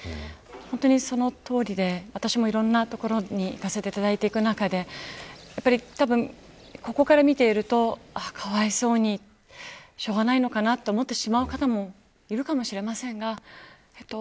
本当にそのとおりで私もいろんなところに行かせていただく中でたぶん、ここから見ているとかわいそうにしょうがないのかなと思ってしまう方もいるかもしれませんが。